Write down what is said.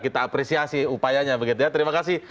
kita apresiasi upayanya terima kasih